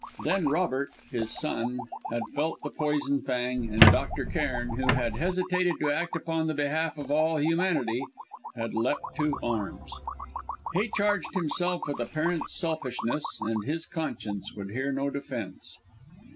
Then Robert, his son, had felt the poison fang, and Dr. Cairn, who had hesitated to act upon the behalf of all humanity, had leapt to arms. He charged himself with a parent's selfishness, and his conscience would hear no defence.